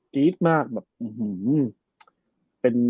จี๊ดมากแบบอื้อหือ